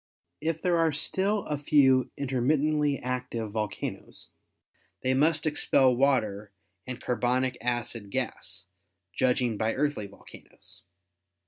If there are still a few intermittently active volcanoes they must expel water and carbonic acid gas, judging by earthly volcanoes.